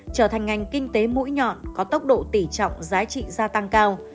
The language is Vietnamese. trở thành ngành kinh tế mũi nhọn có tốc độ tỉ trọng giá trị gia tăng cao